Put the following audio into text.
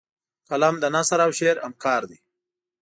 قلم د نثر او شعر همکار دی